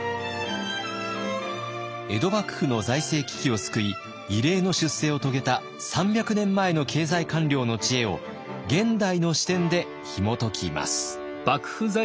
江戸幕府の財政危機を救い異例の出世を遂げた３００年前の経済官僚の知恵を現代の視点でひもときます。